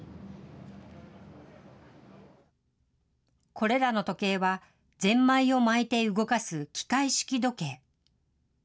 これらの時計は、ゼンマイを巻いて動かす機械式時計。